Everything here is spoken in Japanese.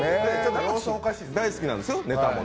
大好きなんですよ、ネタも。